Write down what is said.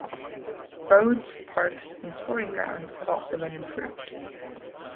Roads, Parks and Sporting grounds have also been improved.